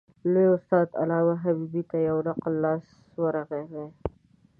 لوی استاد علامه حبیبي ته یو نقل لاس ورغلی.